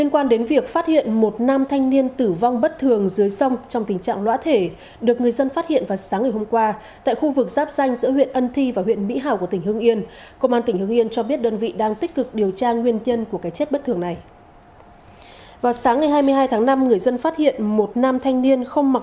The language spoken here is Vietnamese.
các bạn hãy đăng ký kênh để ủng hộ kênh của chúng mình nhé